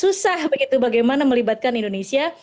susah begitu bagaimana melibatkan indonesia